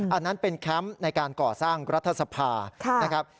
อันนั้นเป็นแคมป์ในการก่อสร้างรัฐสภานะครับ